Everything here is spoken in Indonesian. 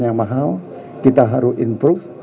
yang mahal kita harus improve